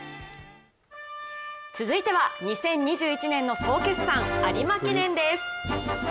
続いては２０２１年の総決算有馬記念です。